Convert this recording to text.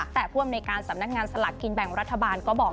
แต่พร่วมในการสำนักงานสลักกินแบ่งรัฐบาล